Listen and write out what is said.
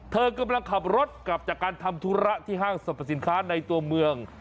เธอกำลังขับรถกลับจากการทำธุระที่ห้างสรรพสินค้าในตัวเมือง